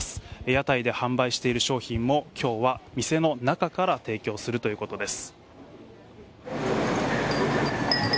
屋台で販売している商品も今日は店の中から提供するということです。